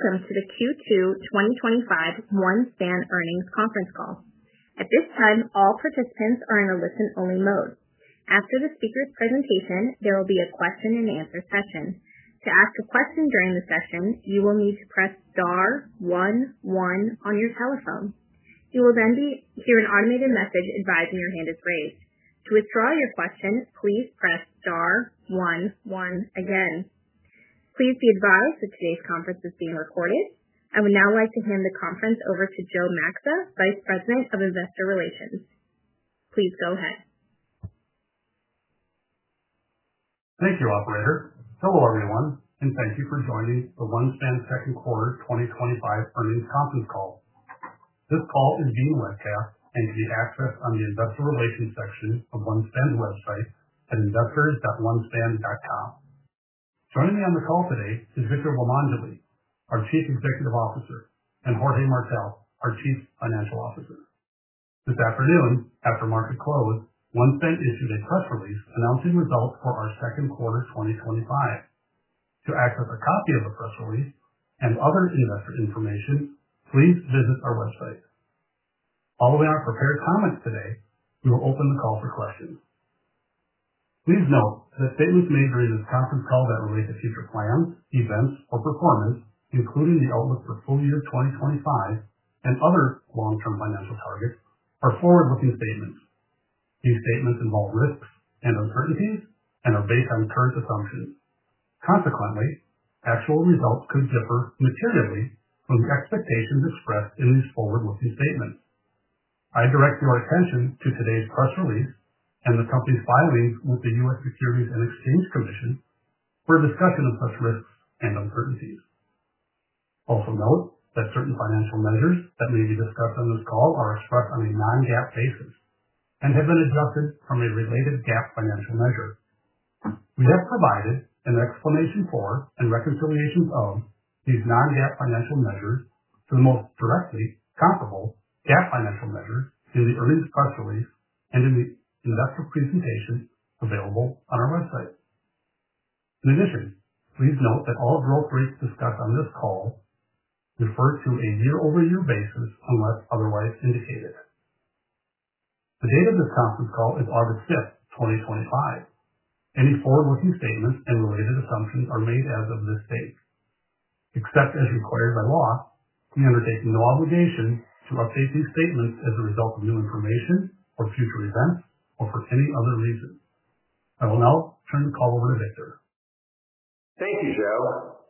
Welcome to the Q2 2025 OneSpan Earnings Conference Call. At this time, all participants are in a listen-only mode. After the speaker's presentation, there will be a question and answer session. To ask a question during the session, you will need to press star one one on your telephone. You will then hear an automated message advising your hand is raised. To withdraw your question, please press star one one again. Please be advised that today's conference is being recorded. I would now like to hand the conference over to Joe Maxa, Vice President of Investor Relations. Please go ahead. Thank you, Operator. Hello everyone, and thank you for joining the OneSpan Second Quarter 2025 Earnings Conference Call. This call is being broadcast and given access on the Investor Relations section of OneSpan's website at investors.onespan.com. Joining me on the call today is Victor Limongelli, our Chief Executive Officer, and Jorge Martell, our Chief Financial Officer. This afternoon, after market close, OneSpan issued a press release announcing results for our second quarter 2025. To access a copy of the press release and other investor information, please visit our website. Following our prepared comments today, we will open the call for questions. Please note that statements made during this conference call that relate to future plans, events, or performance, including the outlook for full year 2025 and other long-term financial targets, are forward-looking statements. These statements involve risks and uncertainties and are based on current assumptions. Consequently, actual results could differ materially from your expectations expressed in these forward-looking statements. I direct your attention to today's press release and the company's filings with the U.S. Securities and Exchange Commission for a discussion of such risks and uncertainties. Also note that certain financial measures that may be discussed on this call are expressed on a non-GAAP basis and have been adjusted from a related GAAP financial measure. We have provided an explanation for and reconciliation of these non-GAAP financial measures to the most directly comparable GAAP financial measures in the earnings press release and in the investor presentation available on our website. In addition, please note that all of the role briefs discussed on this call refer to a year-over-year basis unless otherwise indicated. The date of this conference call is August 5th, 2025. Any forward-looking statements and related assumptions are made as of this date. Except as required by law, we undertake no obligation to update these statements as a result of new information or future events or for any other reason. I will now turn the call over to Victor. Thank you, Joe.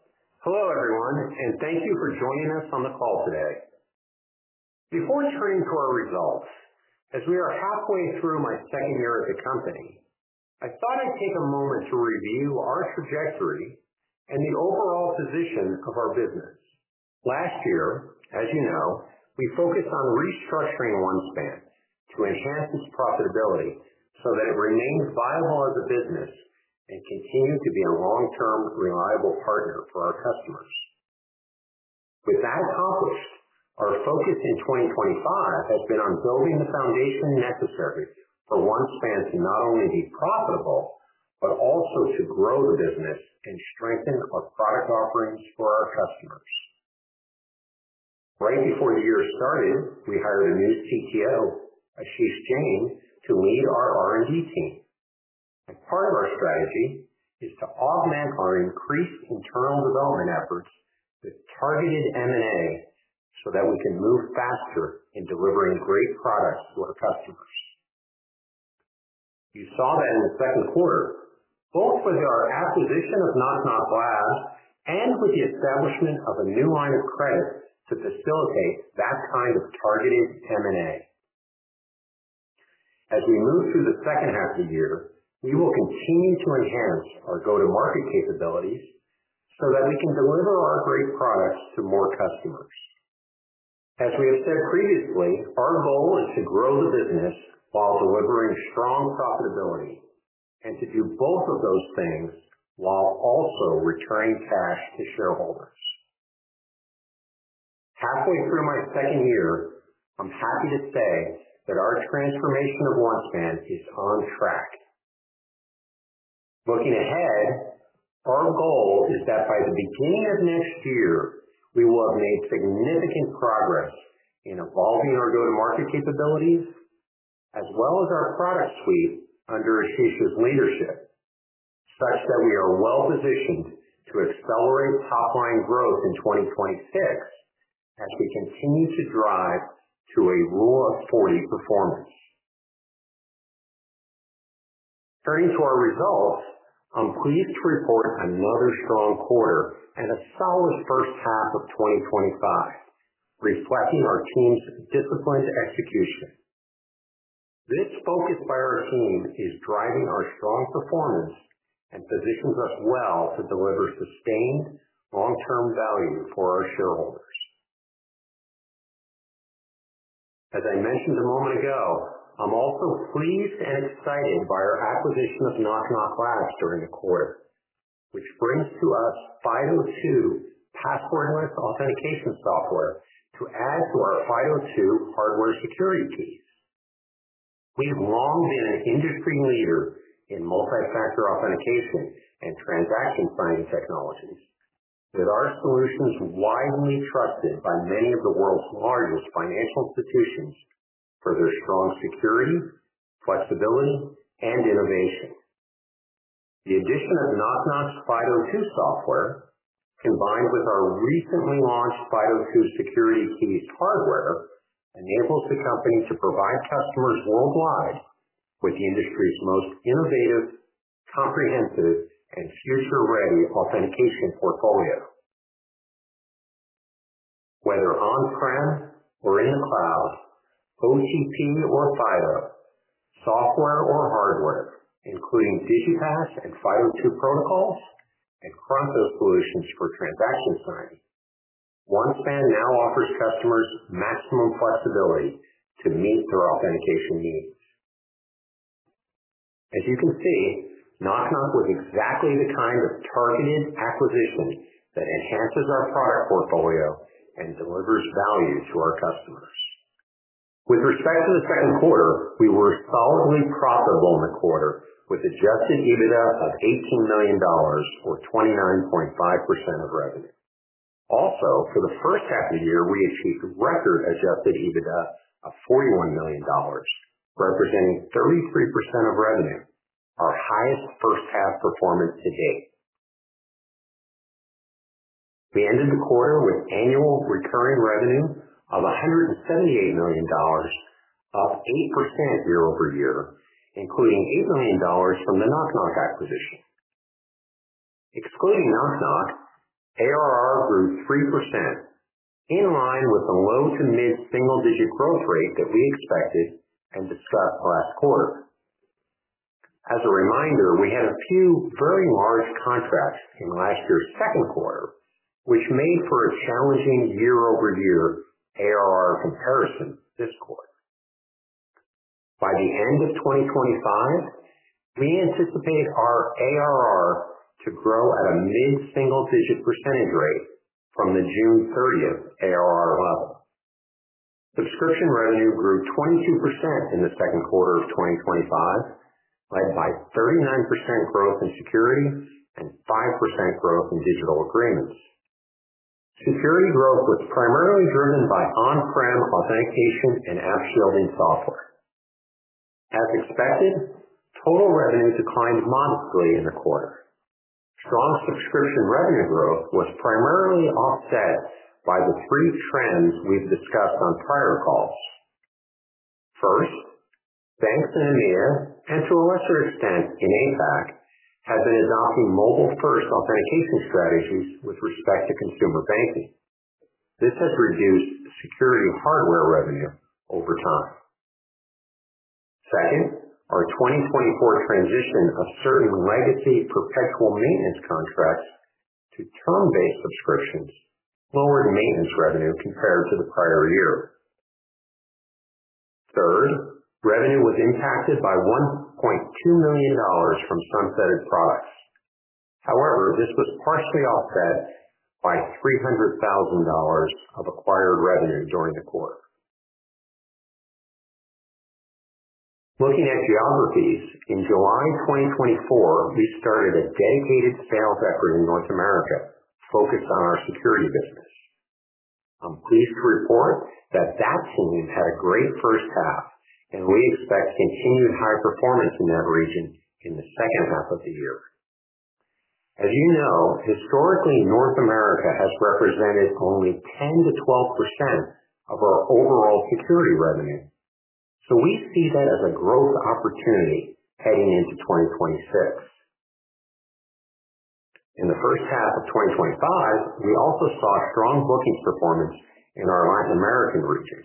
Hello everyone, and thank you for joining us on the call today. Before we turn to our results, as we are halfway through my second year at the company, I thought I'd take a moment to review our trajectory and the overall position of our business. Last year, as you know, we focused on restructuring OneSpan to enhance its profitability so that it remains viable as a business and continues to be a long-term reliable partner for our customers. With that accomplished, our focus in 2025 has been on building the foundation necessary for OneSpan to not only be profitable, but also to grow the business and strengthen our product offerings for our customers. Right before the year started, we hired a new CTO, Ashish Singh, to lead our R&D team. Part of our strategy is to augment our increased internal development efforts with targeted M&A so that we can move faster in delivering great products to our customers. You saw that in the second quarter, both with our acquisition of NomCon Labs and with the establishment of a new line of credit to facilitate that kind of targeted M&A. As we move through the second half of the year, we will continue to enhance our go-to-market capabilities so that we can deliver our great products to more customers. As we have said previously, our goal is to grow the business while delivering strong profitability and to do both of those things while also returning cash to shareholders. Halfway through my second year, I'm happy to say that our transformation of OneSpan is on track. Looking ahead, our goal is that by the beginning of next year, we will have made significant progress in evolving our go-to-market capabilities, as well as our product suite under inclusive leadership, such that we are well positioned to accelerate top-line growth in 2026 as we continue to drive to a Rule of 40 performance. Turning to our results, I'm pleased to report another strong quarter and a flawless first half of 2025, reflecting our team's disciplined execution. This focus by our team is driving our strong performance and positions us well to deliver sustained long-term value for our shareholders. As I mentioned a moment ago, I'm also pleased and excited by our acquisition of NomCon Labs during the quarter, which brings to us FIDO2 passwordless authentication software to add to our FIDO2 hardware security suite. We have long been an industry leader in multi-factor authentication and transaction signage technologies, with our solutions widely trusted by many of the world's largest financial institutions for their strong security, flexibility, and innovation. The addition of NomCon's FIDO2 passwordless authentication software, combined with our recently launched FIDO2 hardware security suite, enables the company to provide customers worldwide with the industry's most innovative, comprehensive, and future-ready authentication portfolio. Whether on-prem or in the cloud, OCP or FIDO, software or hardware, including DigiHash and FIDO2 protocols, and crossover solutions for transaction signage, OneSpan now offers customers maximum flexibility to meet their authentication needs. As you can see, NomCon was exactly the kind of targeted acquisition that enhances our product portfolio and delivers value to our customers. With respect to the second quarter, we were solidly profitable in the quarter, with an adjusted EBITDA of $18 million or 29.5% of revenue. Also, for the first half of the year, we achieved a record adjusted EBITDA of $41 million, representing 33% of revenue, our highest first-half performance to date. We ended the quarter with annual recurring revenue of $178 million, up 8% year-over-year, including $8 million from the NomCon acquisition. Excluding NomCon, ARR grew 3%, in line with the low to mid-single-digit growth rate that we expected and described last quarter. As a reminder, we had a few very large contracts in last year's second quarter, which made for a challenging year-over-year ARR comparison this quarter. By the end of 2025, we anticipate our ARR to grow at a mid-single-digit percentage rate from the June 30th ARR level. Subscription revenue grew 22% in the second quarter of 2025, led by 39% growth in security and 5% growth in digital agreements. Security growth was primarily driven by on-prem authentication and app shielding software. As expected, total revenue declined modestly in the quarter. Strong subscription revenue growth was primarily offset by the three trends we've discussed on prior calls. First, banks in EMEA, and to a lesser extent in APAC, have been adopting mobile-first authentication strategies with respect to consumer banking. This has reduced security hardware revenue over time. Second, our 2024 transition of certain legacy perpetual maintenance contracts to term-based subscriptions lowered maintenance revenue compared to the prior year. Third, revenue was impacted by $1.2 million from sunsetted products. However, this was partially offset by $300,000 of acquired revenue during the quarter. Looking at geographies, in July 2024, we started a dedicated sales effort in North America, focused on our security business. I'm pleased to report that that team had a great first half, and we expect continued high performance in that region in the second half of the year. As you know, historically, North America has represented only 10%-12% of our overall security revenue, so we see that as a growth opportunity heading into 2026. In the first half of 2025, we also saw strong lookings performance in our Latin American region.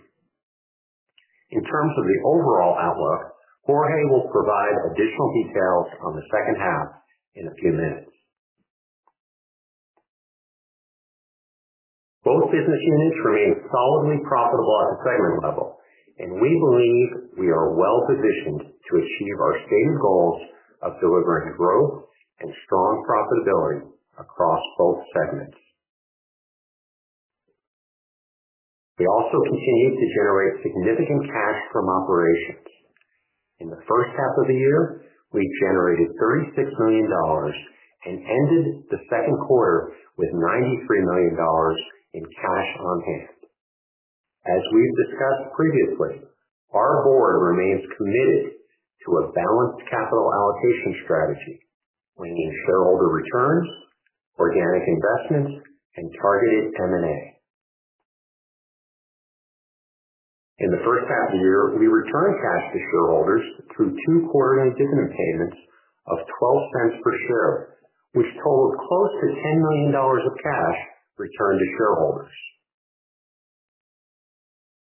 In terms of the overall outlook, Jorge will provide additional details on the second half in a few minutes. Both business units remain solidly profitable at the segment level, and we believe we are well positioned to achieve our stated goals of delivering growth and strong profitability across both segments. We also continue to generate significant cash from operations. In the first half of the year, we generated $36 million and ended the second quarter with $93 million in cash on hand. As we've discussed previously, our board remains committed to a balanced capital allocation strategy, meaning shareholder returns, organic investments, and targeted M&A. In the first half of the year, we returned cash to shareholders through two quarterly dividend payments of $0.12 per share, which totaled close to $10 million of cash returned to shareholders.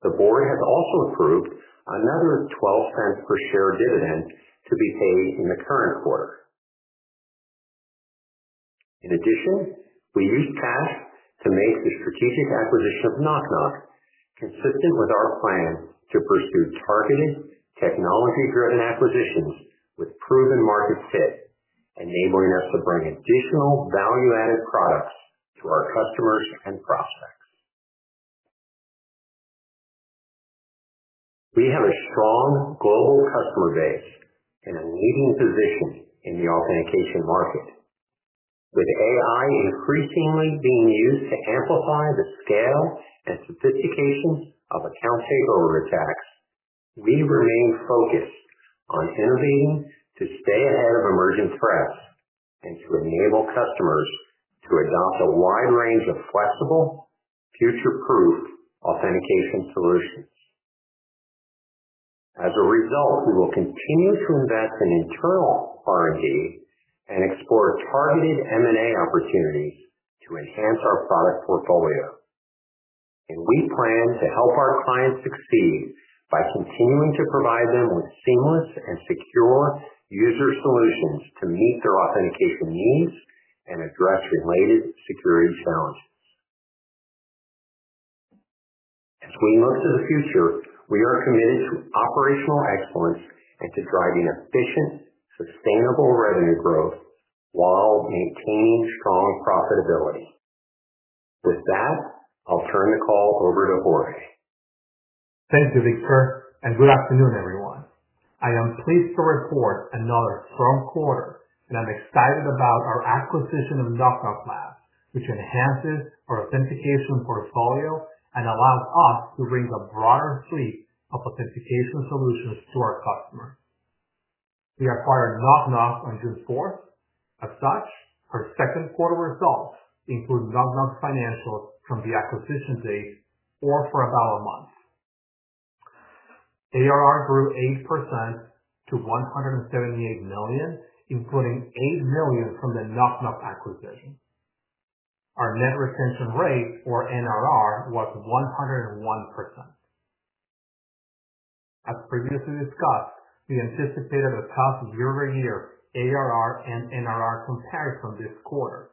The board has also approved another $0.12 per share dividend to be paid in the current quarter. In addition, we used cash to make the strategic acquisition of NomCon, consistent with our plan to pursue targeted, technology-driven acquisitions with proven market fit, enabling us to bring additional value-added products to our customers and prospects. We have a strong global customer base and a leading position in the authentication market. With AI increasingly being used to amplify the scale and sophistication of account takeover attacks, we remain focused on innovating to stay ahead of emerging threats and to enable customers to adopt a wide range of flexible, future-proofed authentication solutions. As a result, we will continue to invest in internal R&D and explore targeted M&A opportunities to enhance our product portfolio. We plan to help our clients succeed by continuing to provide them with seamless and secure user solutions to meet their authentication needs and address related security challenges. As we look to the future, we are committed to operational excellence and to driving efficient, sustainable revenue growth while maintaining strong profitability. With that, I'll turn the call over to Jorge. Thank you, Victor, and good afternoon, everyone. I am pleased to report another strong quarter, and I'm excited about our acquisition of NomCon Labs, which enhances our authentication portfolio and allows us to bring a broader suite of authentication solutions to our customers. We acquired NomCon on June 4th. As such, our second quarter results include NomCon financials from the acquisition date or for about a month. ARR grew 8% to $178 million, including $8 million from the NomCon acquisition. Our net retention rate, or NRR, was 101%. As previously discussed, we anticipated a tough year-over-year ARR and NRR comparison this quarter,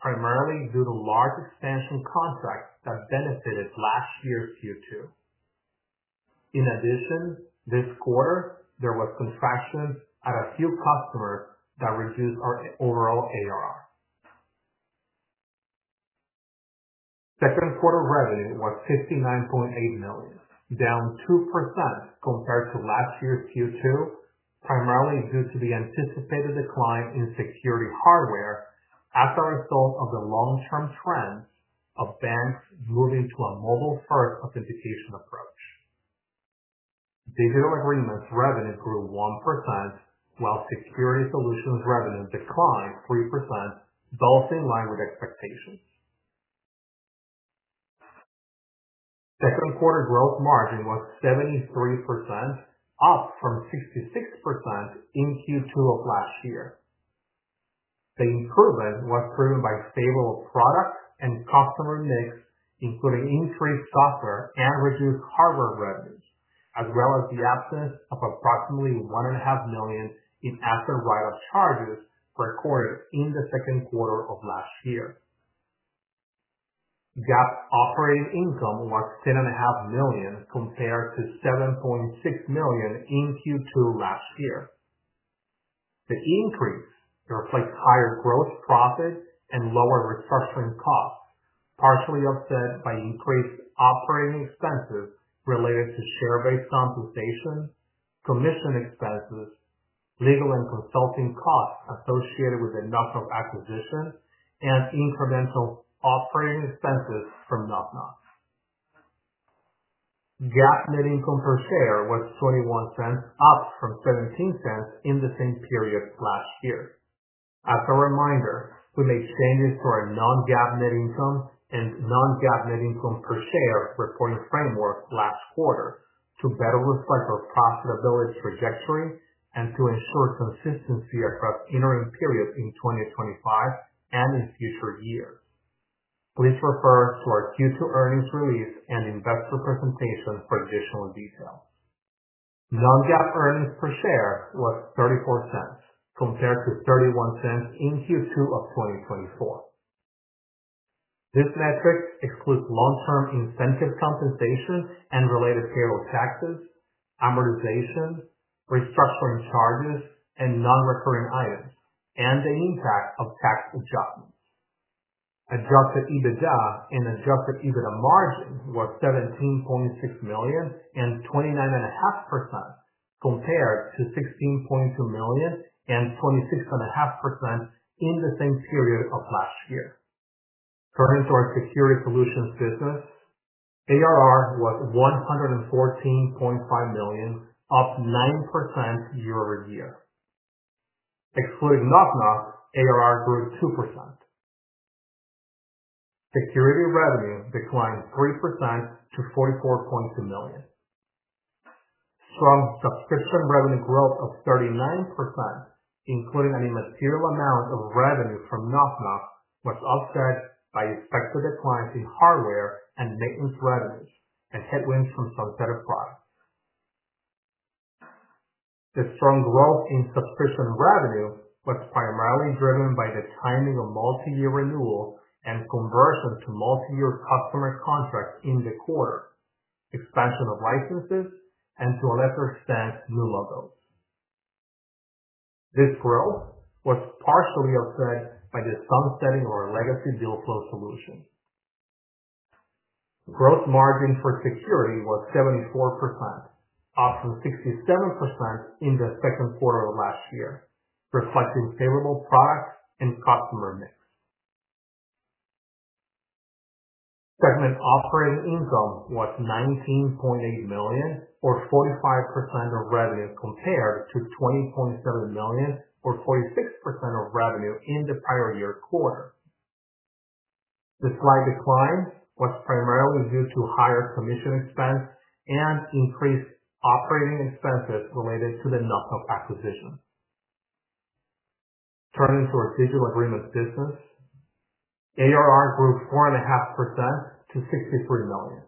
primarily due to large expansion contracts that benefited last year's Q2. In addition, this quarter, there were contractions at a few customers that reduced our overall ARR. Second quarter revenue was $69.8 million, down 2% compared to last year's Q2, primarily due to the anticipated decline in security hardware as a result of the long-term trend of banks moving to a mobile-first authentication approach. Digital agreements' revenue grew 1%, while security solutions' revenue declined 3%, thus in line with expectations. Second quarter gross margin was 73%, up from 66% in Q2 of last year. The improvement was driven by a stable product and customer mix, including increased software and reduced hardware revenues, as well as the absence of approximately $1.5 million in asset write-off charges per quarter in the second quarter of last year. GAAP operating income was $10.5 million compared to $7.6 million in Q2 last year. The increase reflects higher gross profits and lower restructuring costs, partially offset by increased operating expenses related to share-based compensation, commission expenses, legal and consulting costs associated with the NomCon acquisition, and incremental operating expenses from NomCon. GAAP net income per share was $0.21, up from $0.17 in the same period last year. As a reminder, we made changes to our non-GAAP net income and non-GAAP net income per share reporting framework last quarter to better reflect our profitability trajectory and to ensure consistency across the interim period in 2025 and in future years. Please refer to our Q2 earnings release and investor presentation for additional details. Non-GAAP earnings per share was $0.34 compared to $0.31 in Q2 of 2024. This metric excludes long-term incentive compensation and related payroll taxes, amortization, restructuring charges, non-recurring items, and the impact of tax adjustments. Adjusted EBITDA and adjusted EBITDA margin was $17.6 million and 29.5% compared to $16.2 million and 26.5% in the same period of last year. Turning to our security solutions business, ARR was $114.5 million, up 9% year-over-year. Excluding NomCon, ARR grew 2%. Security revenue declined 3% to $44.2 million. Strong subscription revenue growth of 39%, including an immaterial amount of revenue from NomCon, was offset by expected declines in hardware and maintenance revenues and headwinds from sunsetted products. The strong growth in subscription revenue was primarily driven by the timing of multi-year renewals and conversion to multi-year customer contracts in the quarter, expansion of licenses, and to a lesser extent, new logos. This growth was partially offset by the sunsetting of our legacy deal flow solution. Gross margin for security was 74%, up from 67% in the second quarter of last year, reflecting favorable products and customer mix. Segment operating income was $19.8 million or 45% of revenue compared to $20.7 million or 46% of revenue in the prior year quarter. The slight decline was primarily due to higher commission expense and increased operating expenses related to the NomCon acquisition. Turning to our digital agreements business, ARR grew 4.5% to $63 million.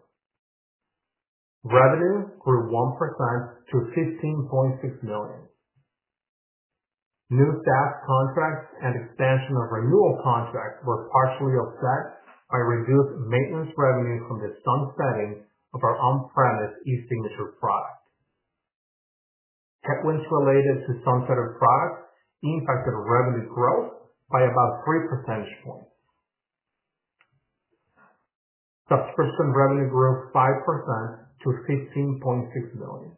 Revenue grew 1% to $15.6 million. New SaaS contracts and expansion of renewal contracts were partially offset by reduced maintenance revenue from the sunsetting of our on-premise e-signature product. Headwinds related to sunsetted products impacted revenue growth by about 3 percentage points. Subscription revenue grew 5% to $15.6 million.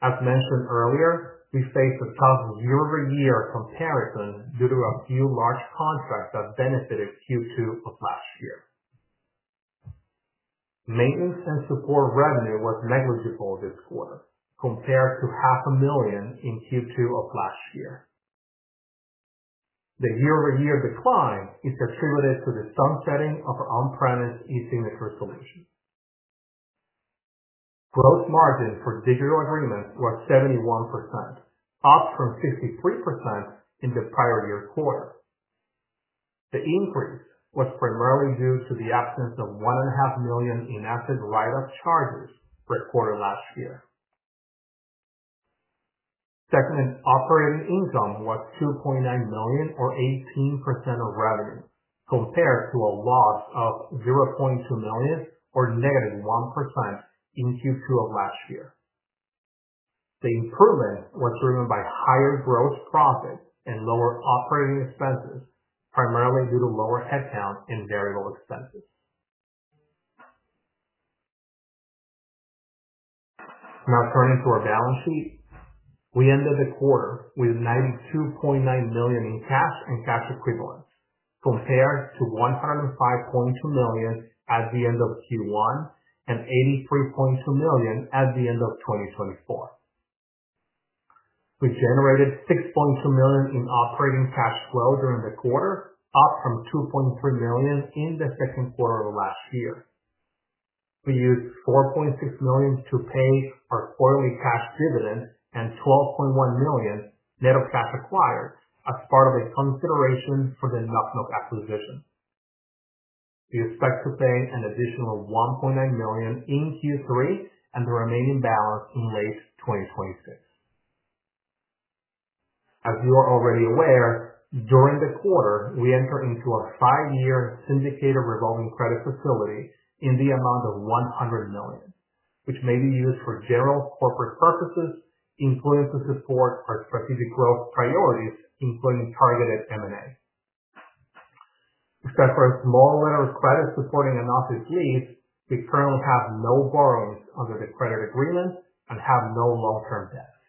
As mentioned earlier, we faced a tough year-over-year comparison due to a few large contracts that benefited Q2 of last year. Maintenance and support revenue was negligible this quarter, compared to $0.5 million in Q2 of last year. The year-over-year decline is attributed to the sunsetting of our on-premise e-signature solution. Gross margin for digital agreements was 71%, up from 63% in the prior year quarter. The increase was primarily due to the absence of $1.5 million in asset write-off charges for the quarter last year. Segment operating income was $2.9 million or 18% of revenue, compared to a loss of $0.2 million or -1% in Q2 of last year. The improvement was driven by higher gross profits and lower operating expenses, primarily due to lower headcount and variable expenses. Now turning to our balance sheet, we ended the quarter with $92.9 million in cash and cash equivalents, compared to $105.2 million at the end of Q1 and $83.2 million at the end of 2024. We generated $6.2 million in operating cash flow during the quarter, up from $2.3 million in the second quarter of last year. We used $4.6 million to pay our quarterly cash dividend and $12.1 million net of cash acquired as part of a consideration for the NomCon acquisition. We expect to pay an additional $1.9 million in Q3 and the remaining balance in late 2026. As you are already aware, during the quarter, we entered into a five-year syndicated revolving credit facility in the amount of $100 million, which may be used for general corporate purposes, including to support our strategic growth priorities, including targeted M&A. Except for a small letter of credit supporting an office lease, we currently have no borrowings under the credit agreement and have no long-term debts.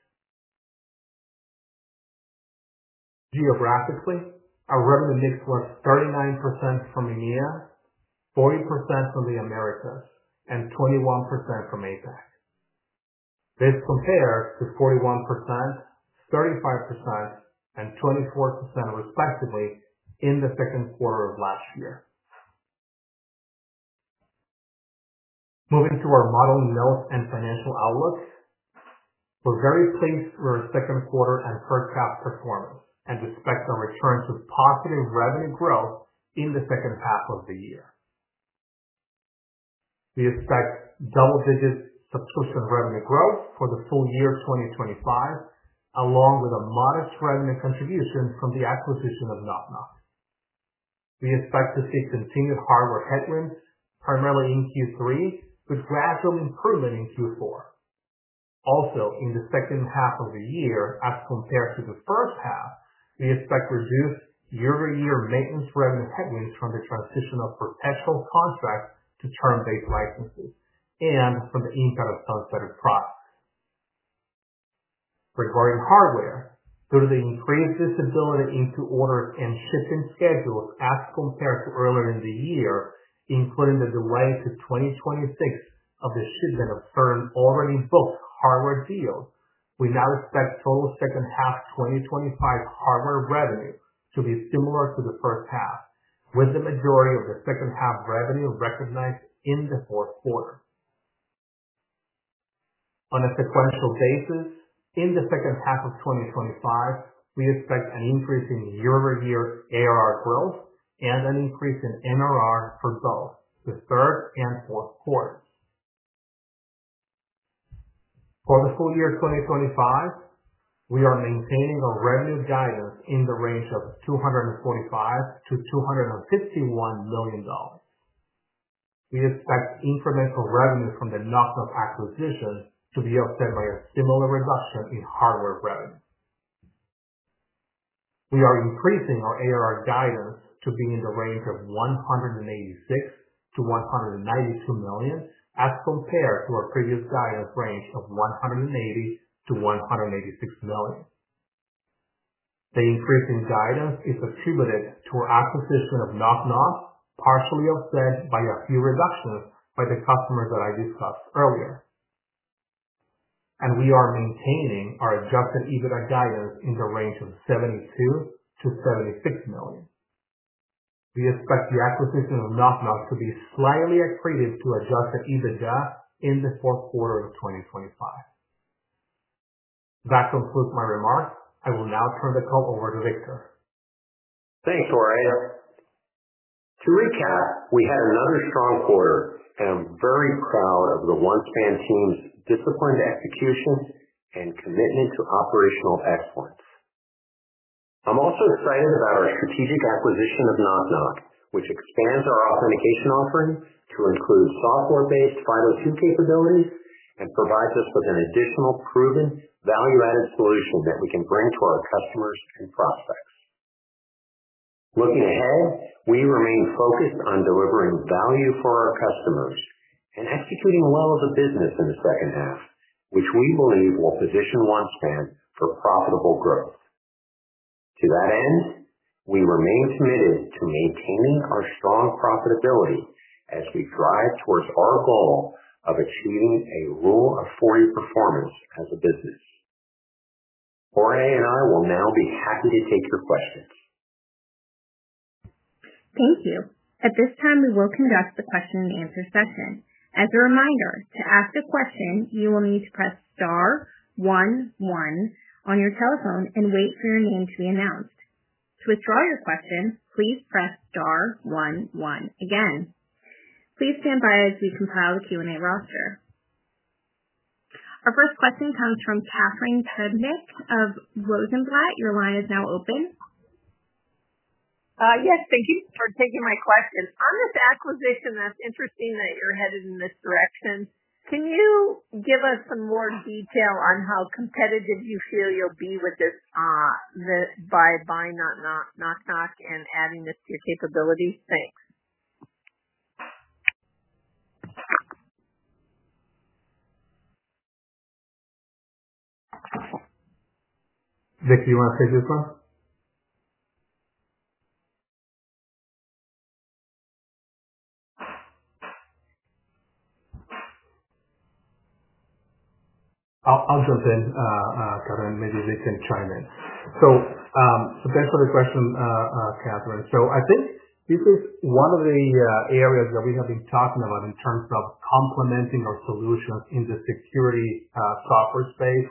Geographically, our revenue mix was 39% from EMEA, 40% from the Americas, and 21% from APAC. This compares to 41%, 35%, and 24% respectively in the second quarter of last year. Moving to our modeling notes and financial outlooks, we're very pleased with our second quarter and per capita performance and expect some returns with positive revenue growth in the second half of the year. We expect double-digit subscription revenue growth for the full year 2025, along with a modest revenue contribution from the acquisition of NomCon. We expect to see continued hardware headwinds, primarily in Q3, with gradual improvement in Q4. Also, in the second half of the year, as compared to the first half, we expect reduced year-over-year maintenance revenue headwinds from the transition of perpetual contracts to term-based licenses and from the impact of sunsetted products. Regarding hardware, due to the increased visibility into order and shipping schedules as compared to earlier in the year, including the delay to 2026 of the shipment of certain already booked hardware deals, we now expect the full second half of 2025 hardware revenue to be similar to the first half, with the majority of the second half revenue recognized in the fourth quarter. On a sequential basis, in the second half of 2025, we expect an increase in year-over-year ARR growth and an increase in NRR for both the third and fourth quarters. For the full year 2025, we are maintaining our revenue guidance in the range of $245 million-$251 million. We expect increments of revenue from the NomCon acquisition to be offset by a similar reduction in hardware revenue. We are increasing our ARR guidance to be in the range of $186 million-$192 million, as compared to our previous guidance range of $180 million-$186 million. The increase in guidance is attributed to our acquisition of NomCon, partially offset by a few reductions by the customers that I discussed earlier. We are maintaining our adjusted EBITDA guidance in the range of $72 million-$76 million. We expect the acquisition of NomCon to be slightly accretive to adjusted EBITDA in the fourth quarter of 2025. That concludes my remarks. I will now turn the call over to Victor. Thanks, Jorge. To recap, we had another strong quarter, and I'm very proud of the OneSpan team's disciplined execution and commitment to operational excellence. I'm also excited about our strategic acquisition of NomCon, which expands our authentication offering to include software-based FIDO2 capabilities and provides us with an additional proven value-added solution that we can bring to our customers and prospects. Looking ahead, we remain focused on delivering value for our customers and executing well as a business in the second half, which we believe will position OneSpan for profitable growth. To that end, we remain committed to maintaining our strong profitability as we drive towards our goal of achieving a Rule of 40 performance as a business. Jorge and I will now be happy to take your questions. Thank you. At this time, we will conduct the question and answer session. As a reminder, to ask a question, you will need to press star one one on your telephone and wait for your name to be announced. To withdraw your question, please press star one one again. Please stand by as we compile the Q&A roster. Our first question comes from Catharine Trebnick of Rosenblatt. Your line is now open. Yes, thank you for taking my question. On this acquisition, that's interesting that you're headed in this direction. Can you give us some more detail on how competitive you feel you'll be with this, by buying NomCon and adding this to your capabilities? Thanks. Victor, you want to take your call? I'll jump in. Catharine maybe we can chime in. Thanks for the question, Catharine. I think this is one of the areas that we have been talking about in terms of complementing our solutions in the security software space.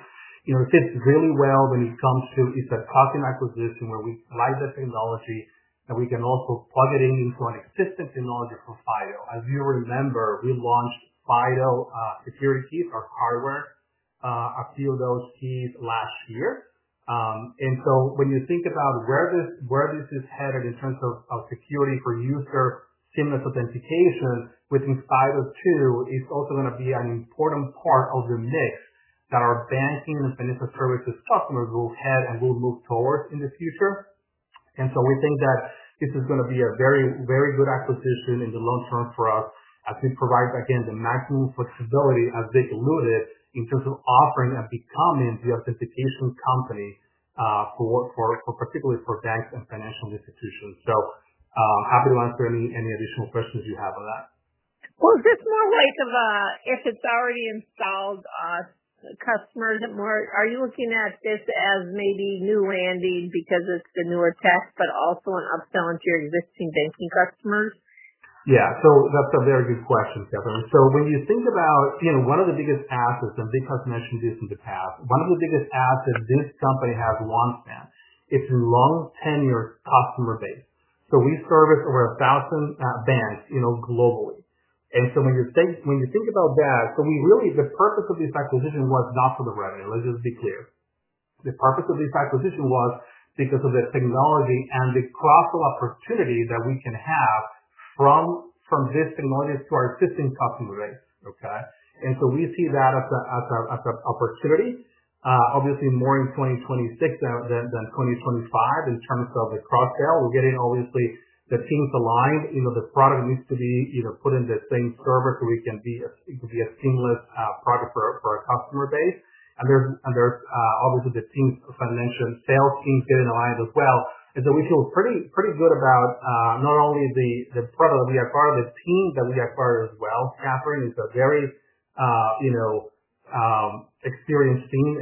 You know, it fits really well when it comes to, it's a custom acquisition where we like the technology and we can also plug it into an existing technology for FIDO. As you remember, we launched FIDO security keys or hardware, a few of those keys last year. When you think about where this is headed in terms of security for user seamless authentication within FIDO2, it's also going to be an important part of the mix that our banking and financial services customers will have and will move towards in the future. We think that this is going to be a very, very good acquisition in the long term for us as it provides, again, the maximum flexibility, as Vic alluded, in terms of offering and becoming the authentication company, particularly for banks and financial institutions. Happy to answer any additional questions you have on that. Is this more like if it's already installed, customers? Are you looking at this as maybe new landing because it's the newer test, but also an upsell into your existing banking customers? Yeah, that's a very good question, Catharine. When you think about one of the biggest assets, and Vic has mentioned this in the past, one of the biggest assets this company has, it's a long 10-year customer base. We service over 1,000 banks globally. When you think about that, the purpose of this acquisition was not for the revenue. Let's just be clear. The purpose of this acquisition was because of the technology and the cross-sell opportunity that we can have from this technology to our existing customer base. We see that as an opportunity, obviously more in 2026 than 2025 in terms of the cross-sell. We're getting the teams aligned. The product needs to be put in the same server so we can be a seamless product for our customer base. The teams I mentioned, sales teams, are getting aligned as well. We feel pretty good about not only the product that we acquired, but the team that we acquired as well. Catharine, it's a very experienced team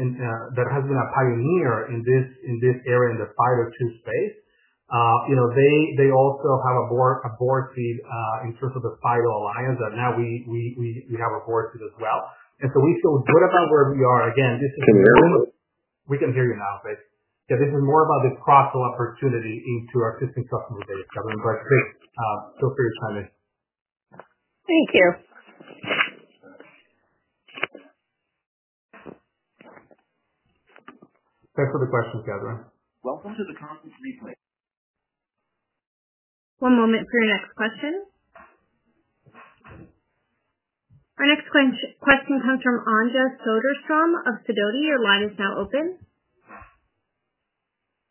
that has been a pioneer in this area in the FIDO2 space. They also have a board seat in terms of the FIDO Alliance, and now we have a board seat as well. We feel good about where we are. Again, this is a very. Can you hear me? We can hear you now, Vic. This is more about the cross-sell opportunity into our existing customer base, Catharine. Vic, feel free to chime in. Thank you. Thanks for the question, Catharine. One moment for your next question. Our next question comes from Anja Soderstrom of Sidoti. Your line is now open.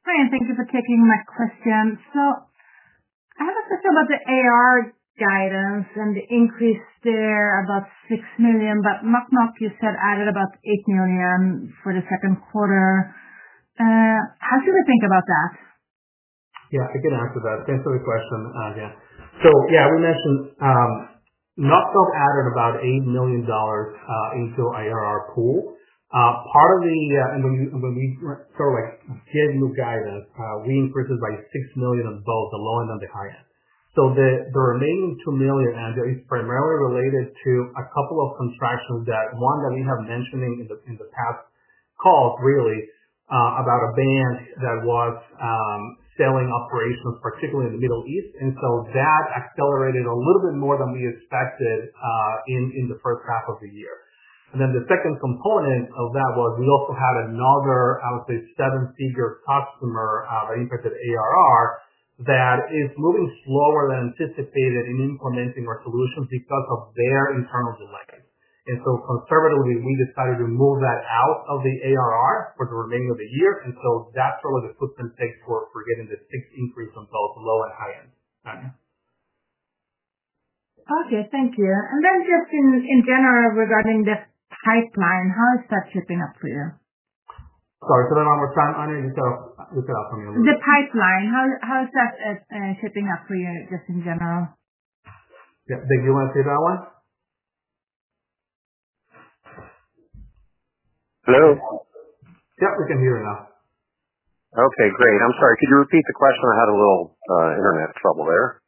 Hi, and thank you for taking my question. I have a question about the ARR guidance and the increase there above $6 million, but NomCon, you said, added about $8 million for the second quarter. How should we think about that? Yeah, I can answer that. Thanks for the question, Anja. We mentioned NomCon added about $8 million into our ARR pool. When we give a look at that, we increased it by $6 million on both the low end and the high end. The remaining $2 million, Anja, is primarily related to a couple of contractions that we have mentioned in past calls, really about a bank that was selling operations, particularly in the Middle East. That accelerated a little bit more than we expected in the first half of the year. The second component of that was we also had another, I would say, seven-figure customer that impacted ARR that is moving slower than anticipated in implementing our solutions because of their internal delays. Conservatively, we decided to move that out of the ARR for the remainder of the year. That's really the footprint pick for getting the six increases on both low and high end, Anja. Thank you. Just in general, regarding the pipeline, how is that shaping up for you? Sorry, say that one more time, Anja. You cut off on me. The pipeline, how is that shaping up for you, just in general? Yeah, Victor, do you want to take that one? Hello. Yeah, we can hear you now. Okay, great. I'm sorry. Could you repeat the question? I had a little internet trouble there.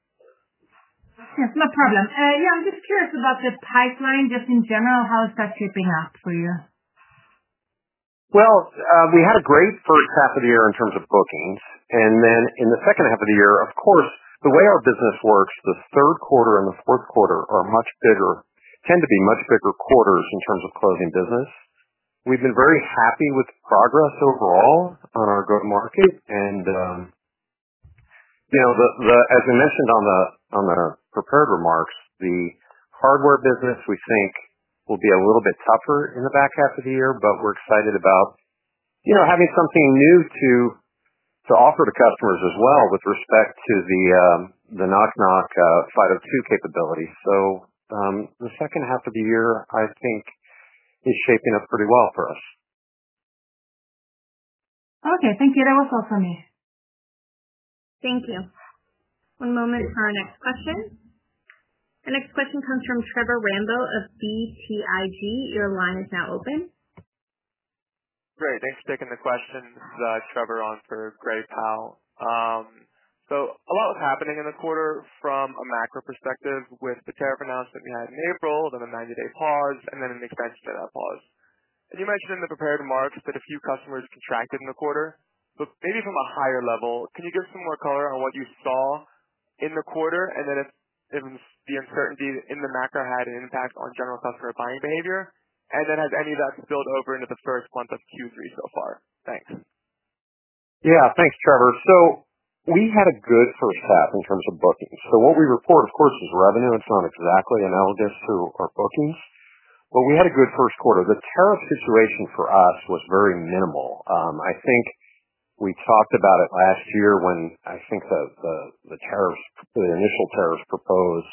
Yes, no problem. I'm just curious about the pipeline, just in general, how is that shaping up for you? We had a great first half of the year in terms of bookings. In the second half of the year, of course, the way our business works, the third quarter and the fourth quarter tend to be much bigger quarters in terms of closing business. We've been very happy with progress overall on our go-to-market. As we mentioned in the prepared remarks, the hardware business we think will be a little bit tougher in the back half of the year, but we're excited about having something new to offer to customers as well with respect to the NomCon FIDO2 capability. The second half of the year, I think, is shaping up pretty well for us. Okay, thank you. That was all for me. Thank you. One moment for our next question. Our next question comes from Trevor Rambo of BTIG. Your line is now open. Great. Thanks for taking the question. This is Trevor on for GrayPal. A lot was happening in the quarter from a macro perspective with the tariff announcement we had in April, the 90-day pause, and an expansion to that pause. You mentioned in the prepared remarks that a few customers contracted in the quarter. Maybe from a higher level, can you give some more color on what you saw in the quarter and if the uncertainty in the macro had an impact on general customer buying behavior? Has any of that spilled over into the first month of Q3 so far? Thanks. Yeah, thanks, Trevor. We had a good first half in terms of bookings. What we report, of course, is revenue. It's not exactly analogous to our bookings, but we had a good first quarter. The tariff situation for us was very minimal. I think we talked about it last year when the initial tariffs proposed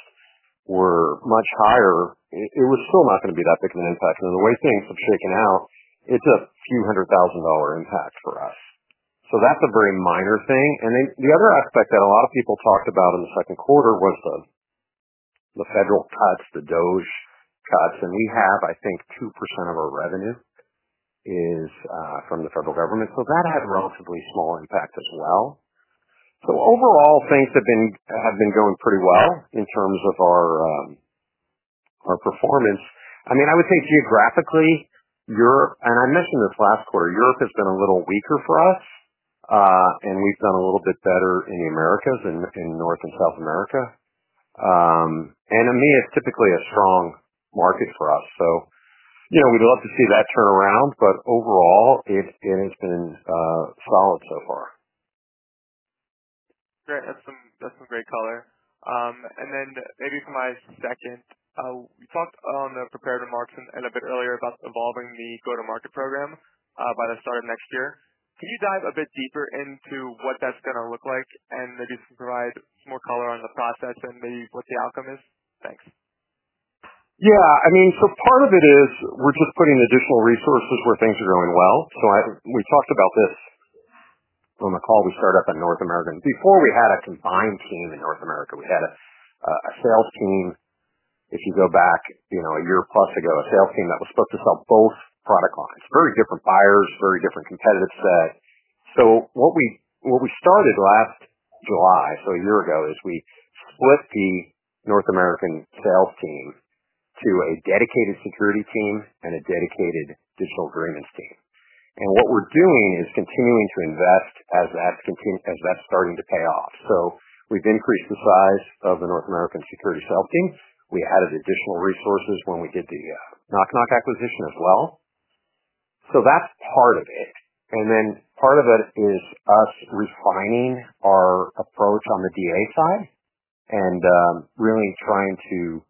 were much higher. It was still not going to be that big of an impact. The way things have shaken out, it's a few hundred thousand dollar impact for us. That's a very minor thing. The other aspect that a lot of people talked about in the second quarter was the federal touch, the DOES touch. We have, I think, 2% of our revenue from the federal government. That had a relatively small impact as well. Overall, things have been going pretty well in terms of our performance. I would think geographically, Europe, and I mentioned this last quarter, Europe has been a little weaker for us. We've done a little bit better in the Americas and in North and South America. To me, it's typically a strong market for us. We'd love to see that turn around, but overall, it has been solid so far. Great. That's some great color. Maybe for my second, you talked on the prepared remarks and a bit earlier about evolving the go-to-market program by the start of next year. Can you dive a bit deeper into what that's going to look like and maybe provide more color on the process and maybe what the outcome is? Thanks. Yeah, I mean, part of it is we're just putting additional resources where things are going well. We talked about this on the call. We started up in North America. Before we had a combined team in North America, we had a sales team. If you go back a year plus ago, a sales team that was supposed to sell both product lines, very different buyers, very different competitive set. What we started last July, a year ago, is we split the North American sales team to a dedicated security team and a dedicated digital agreements team. What we're doing is continuing to invest as that's starting to pay off. We've increased the size of the North American security sales teams. We added additional resources when we did the NomCon acquisition as well. That's part of it. Part of it is us refining our approach on the digital agreements side and really trying to,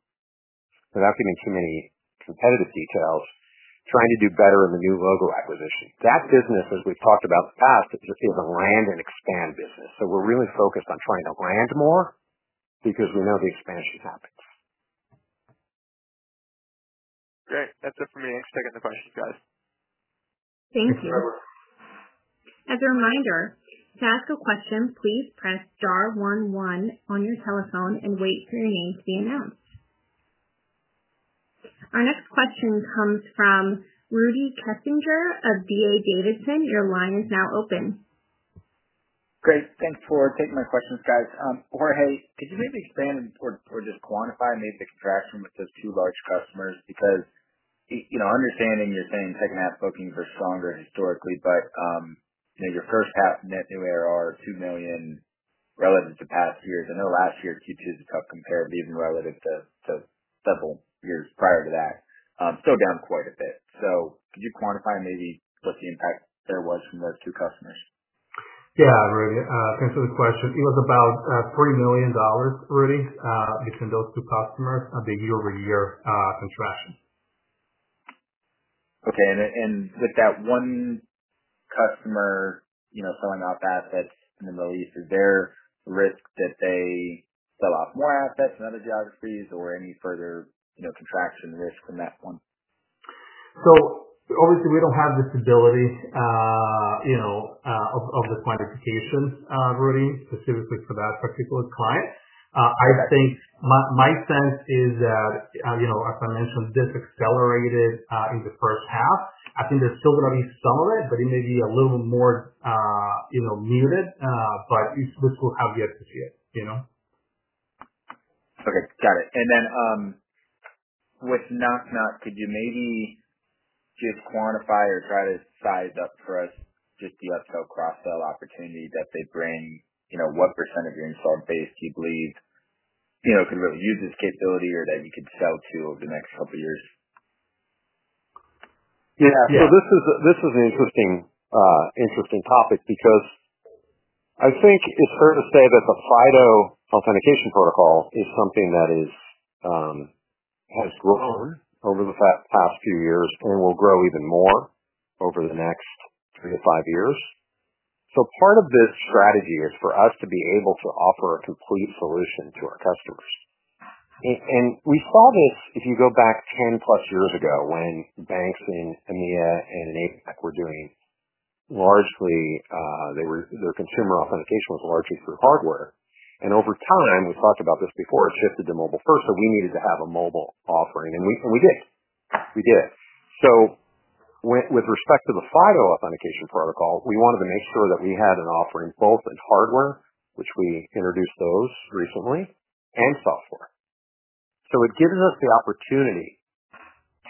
without giving too many competitive details, do better in the new logo acquisition. That business, as we've talked about in the past, is just a land and expand business. We're really focused on trying to land more because we know the expansion happens. Great. That's it for me. Thanks for taking the questions, guys. Thank you. As a reminder, to ask a question, please press star one one on your telephone and wait for your name to be announced. Our next question comes from Rudy Kessinger of D.A. Davidson. Your line is now open. Great. Thanks for taking my questions, guys. Jorge, could you maybe expand and or just quantify maybe the crash from those two large customers? Because, you know, understanding you're saying second half bookings are stronger historically, but, you know, your first half net new ARR, $2 million relative to past years. I know last year's Q2 is tough compared even relative to several years prior to that, still down quite a bit. Could you quantify maybe what the impact there was from those two customers? Yeah, Rudy, thanks for the question. It was about $40 million, Rudy, between those two customers and the year-over-year contraction. Okay. With that one customer, you know, selling off assets in the Middle East, is there risk that they sell off more assets in other geographies or any further contraction risk from that one? Obviously, we don't have visibility of the quantifications, Rudy, specifically for that particular client. I think my sense is that, as I mentioned, this accelerated in the first half. I think they're still going to be solid, but it may be a little more muted. We'll have yet to see it. Okay. Got it. With NomCon, could you maybe just quantify or try to size up for us just the U.S. cross-sell opportunity that they bring? What percentage of your installed base do you believe could really use this capability or that you could sell to over the next couple of years? Yeah. This is an interesting, interesting topic because I think it's fair to say that the FIDO authentication protocol is something that has grown over the past few years and will grow even more over the next three to five years. Part of this strategy is for us to be able to offer a complete solution to our customers. We saw this if you go back 10+ years ago when banks in EMEA and APAC were doing largely, their consumer authentication was largely through hardware. Over time, we've talked about this before, it shifted to mobile-first, so we needed to have a mobile offering. We did it. With respect to the FIDO authentication protocol, we wanted to make sure that we had an offering both in hardware, which we introduced recently, and software. It gives us the opportunity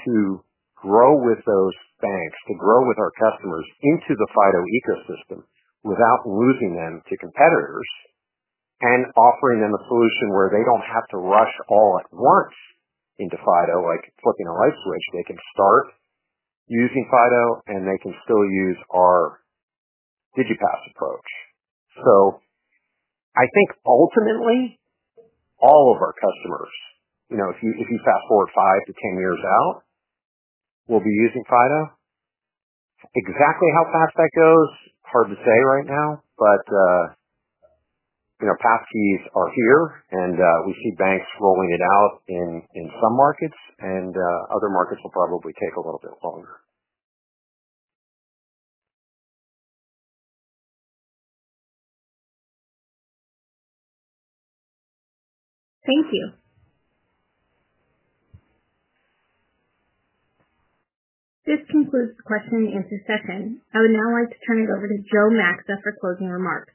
to grow with those banks, to grow with our customers into the FIDO ecosystem without losing them to competitors and offering them a solution where they don't have to rush all at once into FIDO, like flipping a lightbulb. They can start using FIDO and they can still use our DigiPass approach. I think ultimately, all of our customers, if you fast forward five to 10 years out, will be using FIDO. Exactly how fast that goes, hard to say right now, but passkeys are here and we see banks rolling it out in some markets and other markets will probably take a little bit longer. Thank you. This concludes the question and answer session. I would now like to turn it over to Joe Maxa for closing remarks.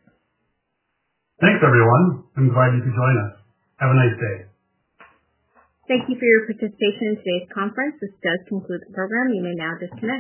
Thanks, everyone. I invite you to join us. Have a nice day. Thank you for your participation in today's conference. This does conclude the program. You may now disconnect.